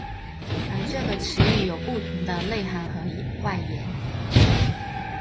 而这个词语有不同的内涵和外延。